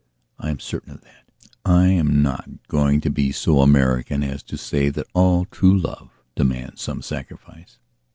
I am certain of that. I am not going to be so American as to say that all true love demands some sacrifice.